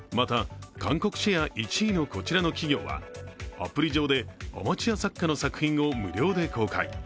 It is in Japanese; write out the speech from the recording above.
また韓国シェア１位のこちらの企業はアプリ上でアマチュア作家の作品を無料で公開。